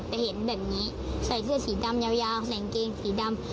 แต่เห็นแบบนี้ใส่เสื้อสีดำยาวใส่กางเกงสีดำ